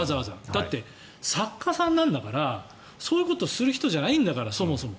だって、作家さんなんだからそういうことをする人じゃないんだからそもそも。